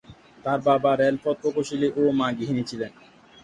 তাঁর বাবা রেলপথ প্রকৌশলী ও মা গৃহিণী ছিলেন।